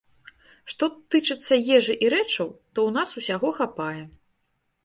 Што тычыцца ежы і рэчаў, то ў нас усяго хапае.